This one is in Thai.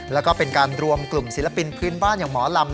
แล้วก็เป็นการรวมกลุ่มศิลปินพื้นบ้านอย่างหมอลำ